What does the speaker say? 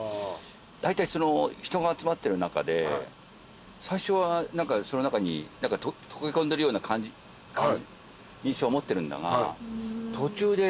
だいたい人が集まってる中で最初は何かその中に溶け込んでるような印象持ってるんだが。